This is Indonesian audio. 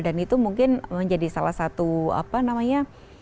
dan itu mungkin menjadi salah satu apa namanya